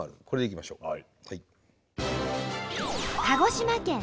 これでいきましょう。